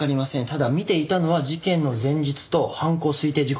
ただ見ていたのは事件の前日と犯行推定時刻です。